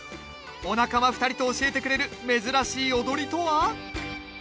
お仲間２人と教えてくれる珍しい踊りとは？